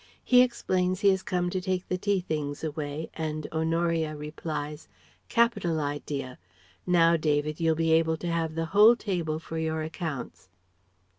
He explains he has come to take the tea things away, and Honoria replies "Capital idea! Now, David, you'll be able to have the whole table for your accounts!")....